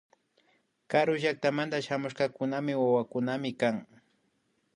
Karu llaktamanta shamushkakunapak wawakunami kan